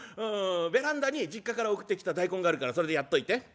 ベランダに実家から送ってきた大根があるからそれでやっといて」。